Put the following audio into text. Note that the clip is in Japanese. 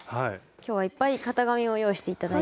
今日はいっぱい型紙を用意して頂いたので。